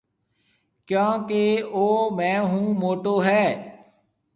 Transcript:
ڪيونڪيَ او مهيَ هون موٽو هيَ